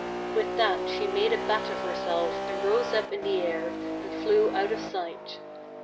With that she made a bat of herself and rose up in the air and flew out of sight.